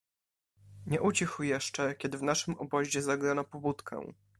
"Nie ucichł jeszcze, kiedy w naszym obozie zagrano pobudkę."